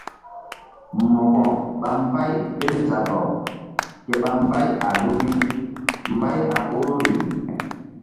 Mo̧ko ɓa mbay kézabaw ke ɓa mbay a luki mbay a ɓoruri.